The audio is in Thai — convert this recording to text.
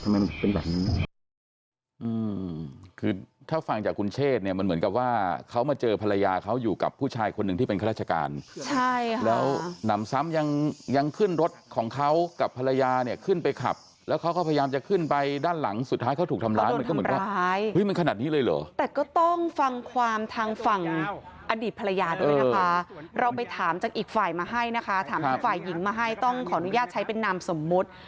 มันเหมือนกับว่าเขามาเจอภรรยาเขาอยู่กับผู้ชายคนหนึ่งที่เป็นข้าราชการใช่ค่ะแล้วหนำซ้ำยังยังขึ้นรถของเขากับภรรยาเนี่ยขึ้นไปขับแล้วเขาก็พยายามจะขึ้นไปด้านหลังสุดท้ายเขาถูกทำร้ายมันก็เหมือนว่าเห้ยมันขนาดนี้เลยเหรอแต่ก็ต้องฟังความทางฝั่งอดีตภรรยาด้วยนะคะเราไปถามจากอีกฝ่ายมาให้นะคะถาม